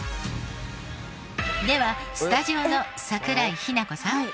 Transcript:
ではスタジオの桜井日奈子さん